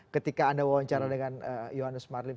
ketika anda wawancara dengan yohannes marlim